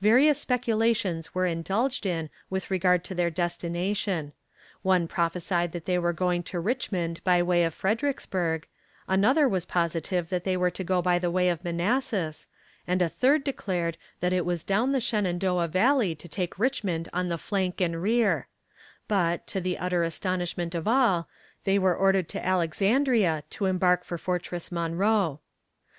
Various speculations were indulged in with regard to their destination. One prophesied that they were going to Richmond by way of Fredericksburg, another was positive that they were to go by the way of Manassas, and a third declared that it was down the Shenandoah valley to take Richmond on the flank and rear; but, to the utter astonishment of all, they were ordered to Alexandria to embark for Fortress Monroe.